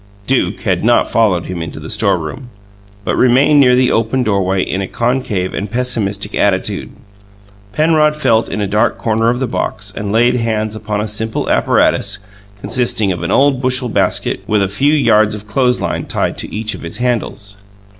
Duke had not followed him into the storeroom, but remained near the open doorway in a concave and pessimistic attitude. Penrod felt in a dark corner of the box and laid hands upon a simple apparatus consisting of an old bushel basket with a few yards of clothes line tied to each of its handles.